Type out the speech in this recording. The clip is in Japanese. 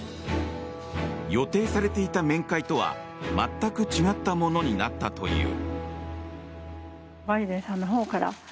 予定されていた面会とは全く違ったものになったという。